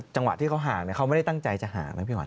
จังหวะที่เขาห่างเขาไม่ได้ตั้งใจจะห่างนะพี่หั